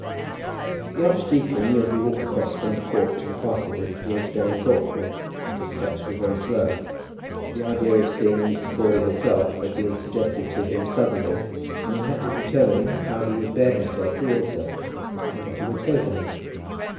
The archdeacon, as he walked across from the Court to the parsonage, was very thoughtful and his steps were very slow. This idea of seeing Miss Crawley herself had been suggested to him suddenly, and he had to determine how he would bear himself towards her, and what he would say to her.